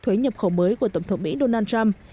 thuế nhập khẩu mới của tổng thống mỹ donald trump